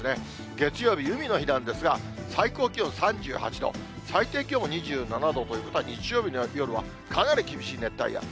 月曜日、海の日なんですが、最高気温３８度、最低気温も２７度ということは、日曜日の夜は、かなり厳しい熱帯夜。